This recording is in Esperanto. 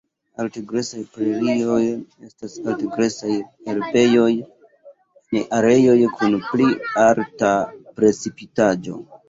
Alt-gresaj prerioj estas alt-gresaj herbejoj en areoj kun pli alta precipitaĵo.